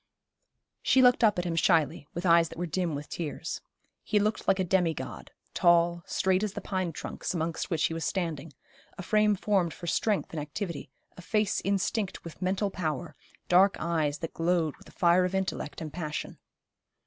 She looked up at him shyly, with eyes that were dim with tears. He looked like a demi god, tall, straight as the pine trunks amongst which he was standing, a frame formed for strength and activity, a face instinct with mental power, dark eyes that glowed with the fire of intellect and passion.